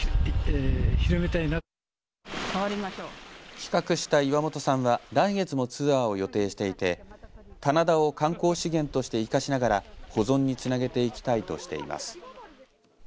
企画した岩本さんは来月もツアーを予定していて棚田を観光資源として生かしながら保存につなげていきたいとしています。